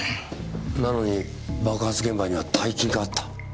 なのに爆発現場には大金があった。